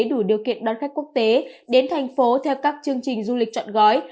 đủ điều kiện đón khách quốc tế đến thành phố theo các chương trình du lịch trọn gói